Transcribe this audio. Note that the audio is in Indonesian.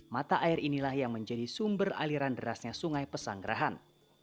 mata air inilah yang menjadi sumber aliran derasnya sungai pesanggerahan